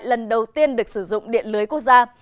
lần đầu tiên được sử dụng điện lưới quốc gia